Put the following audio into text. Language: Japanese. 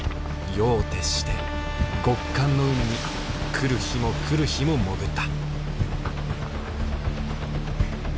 夜を徹して極寒の海に来る日も来る日も潜った。